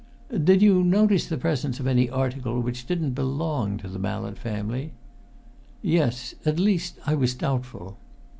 "Did you notice the presence of any article which didn't belong to the Mallett family?" "Yes at least, I was doubtful."